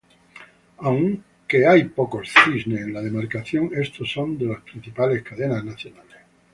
Aunque hay pocos cines en la demarcación, estos son de las principales cadenas nacionales.